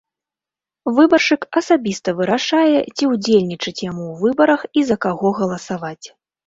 Выбаршчык асабіста вырашае, ці ўдзельнічаць яму ў выбарах і за каго галасаваць.